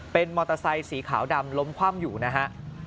เป็นมอเตอร์ไซค์สีขาวดำล้มคว่ำอยู่นะฮะ